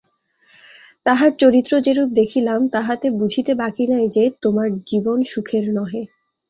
তাঁহার চরিত্র যেরূপ দেখিলাম তাহাতে বুঝিতে বাকি নাই যে, তোমার জীবন সুখের নহে।